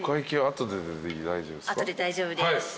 後で大丈夫です。